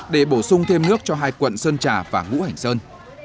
để bổ sung thêm nước cho hai quận sơn trà và ngũ hành sơn